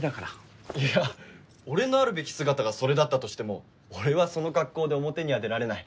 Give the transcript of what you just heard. いや俺のあるべき姿がそれだったとしても俺はその格好で表には出られない。